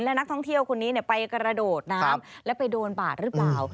และนักท่องเที่ยวคนนี้ไปกระโดดน้ำแล้วไปโดนบาดหรือเปล่า